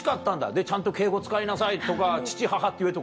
で「ちゃんと敬語使いなさい」とか「父母って言え」とか。